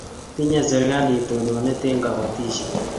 Tinye serikalit tononet eng' patishet